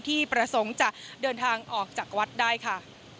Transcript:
ที่ประสงค์จะเดินทางออกจากวัดได้ค่ะ